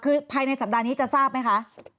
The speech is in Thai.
คือภายในสัปดาห์นี้จะทราบไหมคะ